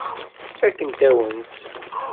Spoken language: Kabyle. Fakkent-awen-tt.